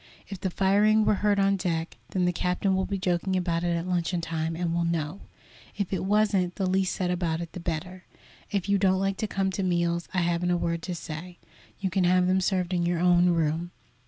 If the firing were heard on deck, then the captain will be joking about it at luncheon time, and we'll know. If it wasn't, the least said about it the better. If you don't like to come to meals, I haven't a word to say; you can have them served in your own room.